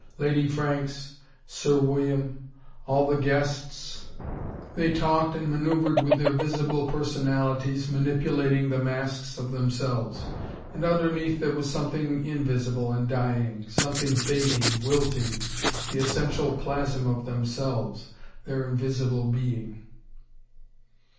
Lady Franks, Sir William, all the guests, they talked and maneuvered with their visible personalities, manipulating the masks of themselves. And underneath there was something invisible and dying something fading, wilting: the essential plasm of themselves: their invisible being.